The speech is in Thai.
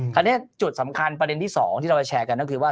คราวนี้จุดสำคัญประเด็นที่๒ที่เราจะแชร์กันก็คือว่า